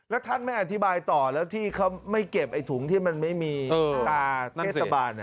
แล้วท่านไม่อธิบายต่อแล้วที่เขาไม่เก็บไอ้ถุงที่มันไม่มีตาเทศบาล